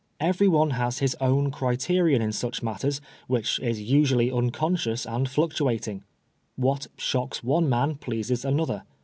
Everyone has his own criterion in snch matters, which is usually unconscious and fluctuating. What shocks one man pleases another.